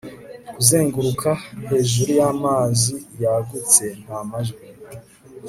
kuzenguruka hejuru y'amazi yagutse, nta majwi